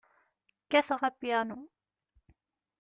Kkateɣ apyanu.